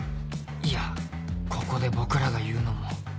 いやここで僕らが言うのも